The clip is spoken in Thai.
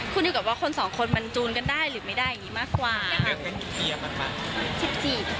คุณอยู่กับว่าคนสองคนมันจูนกันได้หรือไม่ได้อย่างงี้มากกว่านะคะ